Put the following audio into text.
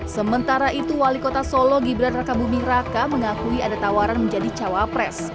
sementara itu wali kota solo gibran raka buming raka mengakui ada tawaran menjadi cawapres